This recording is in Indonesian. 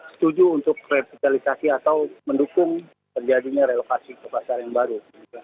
setuju untuk revitalisasi atau mendukung terjadinya relokasi ke pasar yang baru